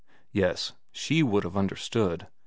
Yes she would have understood.